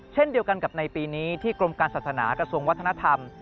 เช่นเดียวกันกับในปีนี้ที่กรมการศาสนากระทรวงวัฒนธรรม